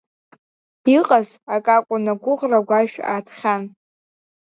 Иҟаз акы акәын агәыӷра агәашә аатхьан.